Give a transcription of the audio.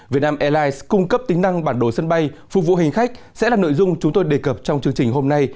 việt nam airlines cung cấp tính năng bản đồ sân bay phục vụ hành khách sẽ là nội dung chúng tôi đề cập trong chương trình hôm nay